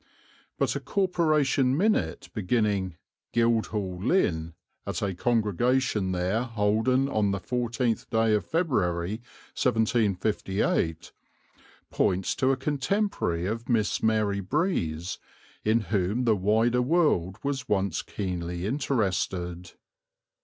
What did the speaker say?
But a corporation minute beginning, "Guildhall, Lynn. At a congregation there holden on the 14th day of February, 1758," points to a contemporary of Miss Mary Breeze, in whom the wider world was once keenly interested.